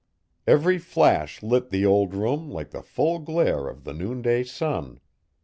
Every flash lit the old room like the full glare of the noonday sun.